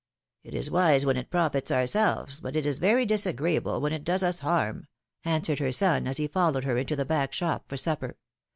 It is wise when it profits ourselves, but it is very dis agreeable when it does us harm," answered her son, as he followed her into the back shop for supper.